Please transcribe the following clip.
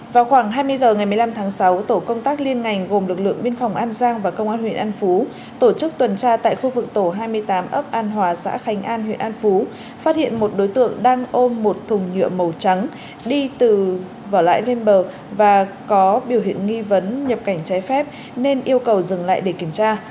vào khoảng hai mươi giờ ngày một mươi năm tháng sáu tổ công tác liên ngành gồm lực lượng biên phòng an giang và công an huyện an phú tổ chức tuần tra tại khu vực tổ hai mươi tám ấp an hòa xã khánh an huyện an phú phát hiện một đối tượng đang ôm một thùng nhựa màu trắng đi từ vỏ lãi lên bờ và có biểu hiện nghi vấn nhập cảnh trái phép nên yêu cầu dừng lại để kiểm tra